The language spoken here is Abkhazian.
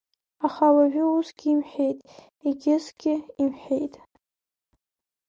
Аха уажәы усгьы имҳәеит, егьысгьы имҳәеит.